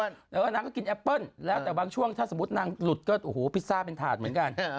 แล้วก็นางก็กินแอปเปิ้ลแล้วแต่บางช่วงถ้าสมมุตินางหลุดก็โอ้โหพิซซ่าเป็นถาดเหมือนกัน